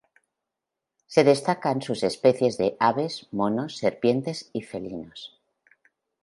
Se destacan sus especies de aves, monos, serpientes y felinos.